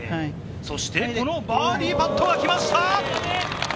そして、このバーディーパットが来ました。